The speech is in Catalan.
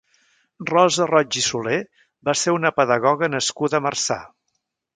Rosa Roig i Soler va ser una pedagoga nascuda a Marçà.